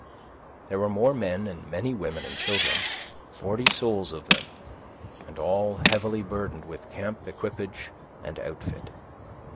There were more men and many women and children, forty souls of them, and all heavily burdened with camp equipage and outfit.